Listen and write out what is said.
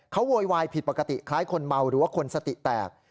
เขาโวยวายผิดปกติคล้ายคนเมาหรือว่าคนสติแตก